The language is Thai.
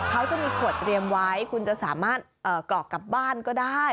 เขาจะมีขวดเตรียมไว้คุณจะสามารถกรอกกลับบ้านก็ได้